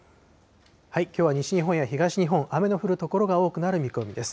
きょうは西日本や東日本、雨の降る所が多くなる見込みです。